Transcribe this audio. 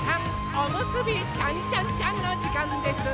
おむすびちゃんちゃんちゃんのじかんです！